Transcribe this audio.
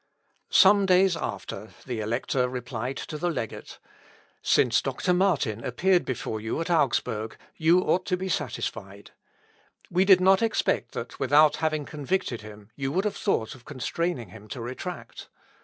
Luth. Op. (L.) xvii, p. 244. Some days after the Elector replied to the legate: "Since Doctor Martin appeared before you at Augsburg, you ought to be satisfied. We did not expect that without having convicted him you would have thought of constraining him to retract.